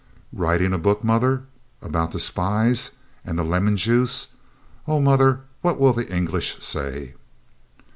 "Writing a book, mother? About the spies? And the lemon juice? Oh, mother, what will the English say?"